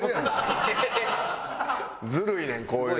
ずるいねんこういうの。